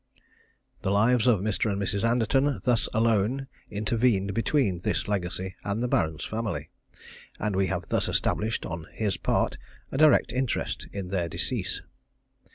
The lives of Mr. and Mrs. Anderton thus alone intervened between this legacy and the Baron's family, and we have thus established, on his part, a direct interest in their decease.